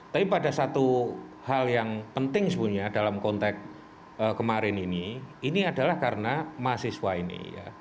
tapi pada satu hal yang penting sebenarnya dalam konteks kemarin ini ini adalah karena mahasiswa ini